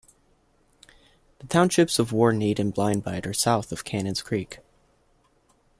The townships of Warneet and Blind Bight are south of Cannons Creek.